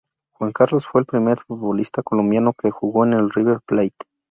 Juan Carlos fue el primer futbolista colombiano que jugó en River Plate.